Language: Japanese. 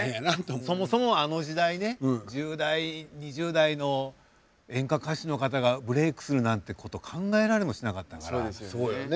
そもそもあの時代ね１０代２０代の演歌歌手の方がブレークするなんてこと考えられもしなかったから。